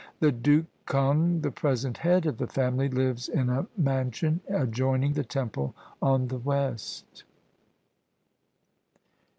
The Duke Kung, the present head of the family, lives in a mansion adjoining the temple on the west.